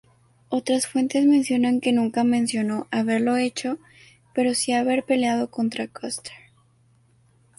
Otras fuentes mencionan que nunca mencionó haberlo hecho pero sí haber peleado contra Custer.